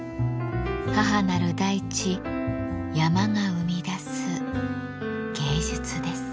母なる大地山が生み出す芸術です。